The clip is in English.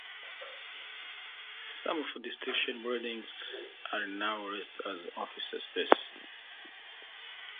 Some of the station buildings are now let as office space.